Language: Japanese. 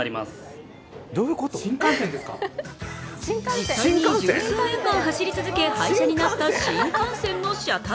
実際に十数年間走り続け廃車になった新幹線の車体。